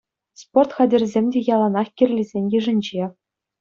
Спорт хатӗрӗсем те яланах кирлисен йышӗнче.